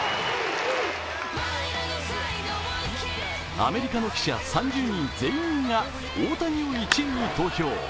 アメリカの記者３０人全員が大谷を１位に投票。